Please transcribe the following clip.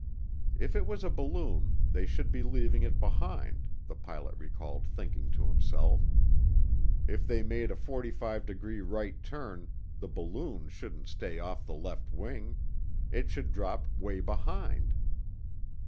If it was a balloon, they should be leaving it behind, the pilot recalled thinking to himself; if they made a 45 degree right turn, the "balloon" shouldn't stay off the left wing; it should drop 'way behind.